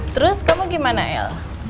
terus kamu gimana el